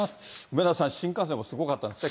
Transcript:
梅沢さん、新幹線もすごかったんですか？